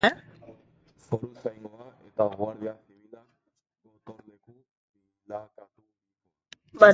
Foruzaingoa eta Guardia Zibilak gotorleku bilakaturikoa.